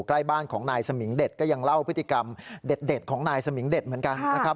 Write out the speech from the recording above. ใกล้บ้านของนายสมิงเด็ดก็ยังเล่าพฤติกรรมเด็ดของนายสมิงเด็ดเหมือนกันนะครับ